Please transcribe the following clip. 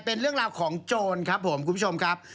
เป็นเรื่องราวของโจรครับผมคุณผู้ชมครับ